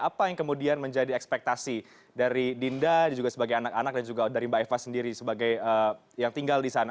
apa yang kemudian menjadi ekspektasi dari dinda juga sebagai anak anak dan juga dari mbak eva sendiri sebagai yang tinggal di sana